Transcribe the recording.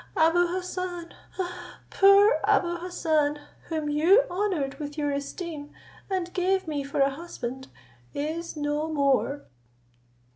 Abou Hassan! poor Abou Hassan! whom you honoured with your esteem, and gave me for a husband, is no more!"